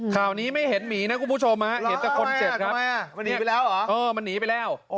ข้าวนี้ไม่เห็นหมีนะคุณผู้ชมเห็นแต่คนเจ็บครับมันหนีไปแล้ว